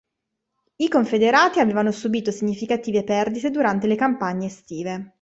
I Confederati avevano subito significative perdite durante le campagne estive.